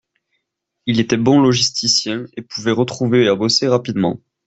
Il était bon logisticien et pouvait retrouver à bosser rapidement.